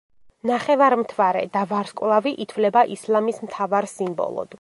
ნახევარმთვარე და ვარსკვლავი ითვლება ისლამის მთავარ სიმბოლოდ.